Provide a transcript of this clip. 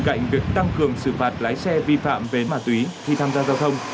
bên cạnh việc tăng cường sự phạt lái xe vi phạm về ma túy khi tham gia giao thông